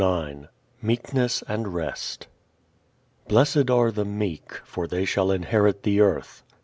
"_ IX Meekness and Rest Blessed are the meek: for they shall inherit the earth.